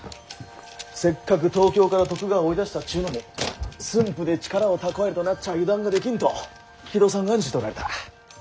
せっかく東京から徳川を追い出したっちゅうのに駿府で力を蓄えるとなっちゃ油断ができんと木戸さんが案じておられた。